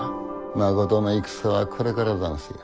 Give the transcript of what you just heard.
まことの戦はこれからざんすよ。